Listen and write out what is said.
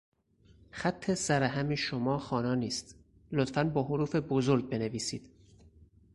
خط سرهم شما خوانا نیست لطفا با حروف بزرگ بنویسید!